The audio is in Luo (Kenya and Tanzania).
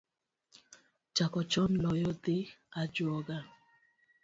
Chako chon loyo dhi ajuoga